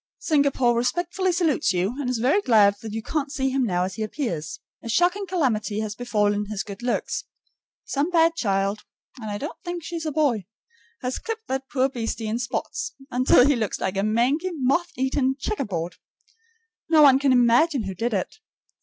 Singapore respectfully salutes you, and is very glad that you can't see him as he now appears. A shocking calamity has befallen his good looks. Some bad child and I don't think she's a boy has clipped that poor beastie in spots, until he looks like a mangy, moth eaten checkerboard. No one can imagine who did it.